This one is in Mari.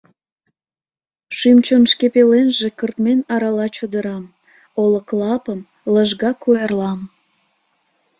Шӱм-чон шке пеленже кыртмен арала Чодырам, олык лапым, лыжга куэрлам.